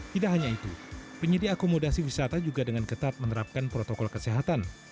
tidak hanya itu penyedia akomodasi wisata juga dengan ketat menerapkan protokol kesehatan